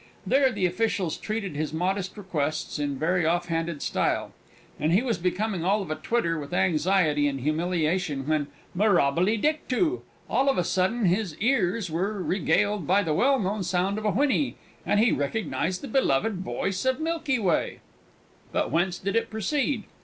There the officials treated his modest requests in very off handed style, and he was becoming all of a twitter with anxiety and humiliation, when, mirabile dictu! all of a sudden his ears were regaled by the well known sound of a whinny, and he recognised the beloved voice of Milky Way! But whence did it proceed?